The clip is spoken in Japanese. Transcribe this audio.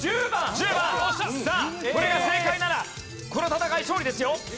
さあこれが正解ならこの戦い勝利ですよ。